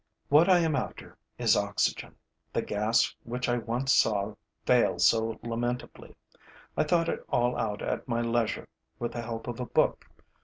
What I am after is oxygen, the gas which I once saw fail so lamentably. I thought it all out at my leisure, with the help of a book.